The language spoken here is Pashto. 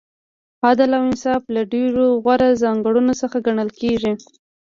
عدل او انصاف له ډېرو غوره ځانګړنو څخه ګڼل کیږي.